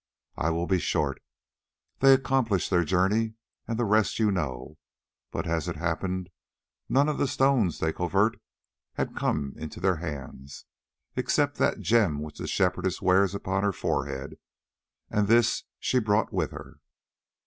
I will be short: they accomplished their journey, and the rest you know. But, as it happened, none of the stones they covet have come into their hands, except that gem which the Shepherdess wears upon her forehead, and this she brought with her.